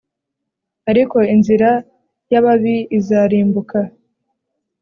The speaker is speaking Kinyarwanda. Ariko inzira y’ababi izarimbuka.